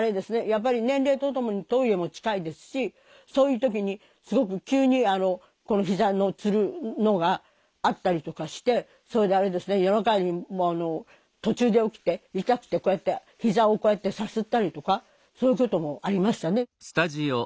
やっぱり年齢とともにトイレも近いですしそういう時にすごく急にひざのつるのがあったりとかしてそれであれですね夜中にもう途中で起きて痛くてこうやってひざをこうやってさすったりとかそういうこともありましたね。